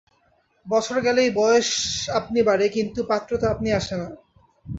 বছর গেলেই বয়েস আপনি বাড়ে কিন্তু পাত্র তো আপনি আসে না।